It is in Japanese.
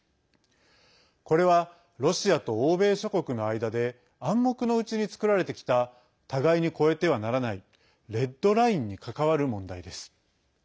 これは、ロシアと欧米諸国の間で暗黙のうちに作られてきた互いに越えてはならないレッドラインに関わる問題です。